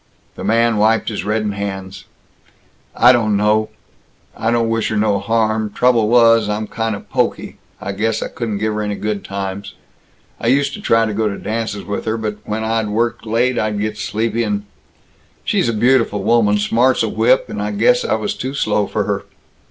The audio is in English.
The man wiped his reddened hands. "I don't know I don't wish her no harm. Trouble was, I'm kind of pokey. I guess I couldn't give her any good times. I used to try to go to dances with her, but when I'd worked late, I'd get sleepy and She's a beautiful woman, smart 's a whip, and I guess I was too slow for her.